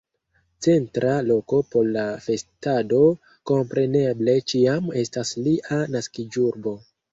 Centra loko por la festado kompreneble ĉiam estas lia naskiĝurbo.